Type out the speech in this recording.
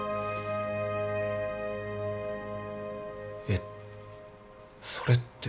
えっそれって。